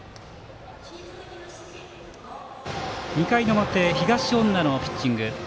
２回の表、東恩納のピッチング。